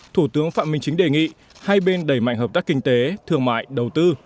thủ tướng phạm minh chính đề nghị hai bên đẩy mạnh hợp tác kinh tế thương mại đầu tư